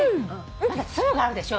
まだ粒があるでしょ？